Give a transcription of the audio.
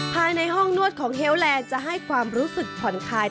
ภายในห้องนวดของเฮลแลนด์จะให้ความรู้สึกผ่อนคลาย